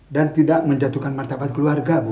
dan tidak menjatuhkan martabat keluarga bu